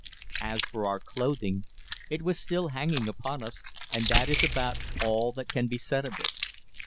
As for our clothing, it was still hanging upon us, and that is about all that can be said of it.